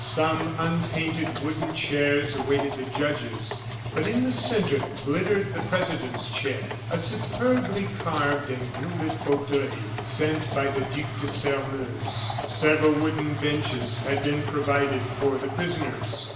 Some unpainted wooden chairs awaited the judges; but in the centre glittered the president's chair, a superbly carved and gilded fauteuil, sent by the Duc de Sairmeuse. Several wooden benches had been provided for the prisoners.